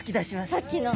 さっきの。